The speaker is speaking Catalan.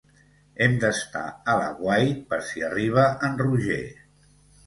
Hem d'estar a l'aguait per si arriba en Roger.